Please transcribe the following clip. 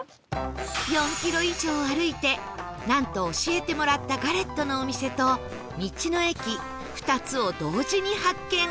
４キロ以上歩いてなんと教えてもらったガレットのお店と道の駅２つを同時に発見